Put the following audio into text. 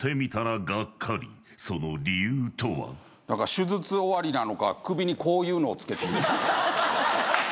手術終わりなのか首にこういうのを着けている。